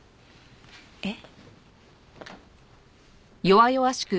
えっ？